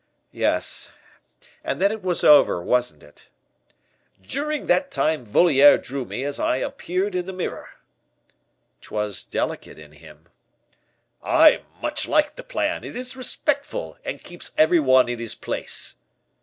"Yes; and then it was over, wasn't it?" "During that time Voliere drew me as I appeared in the mirror." "'Twas delicate in him." "I much like the plan; it is respectful, and keeps every one in his place."